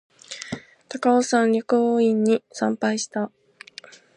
高尾山薬王院に参拝した